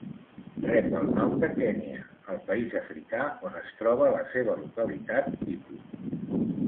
Rep el nom de Kenya, el país africà on es troba la seva localitat tipus.